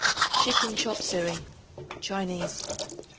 Chicken Chop Suey (CHINESE).